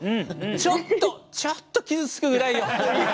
ちょっとちょっと、傷つくぐらいよ。